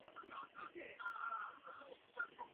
A tak máme nového předsedu Evropy, Hermana Van Rompuye.